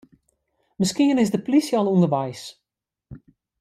Miskien is de plysje al ûnderweis.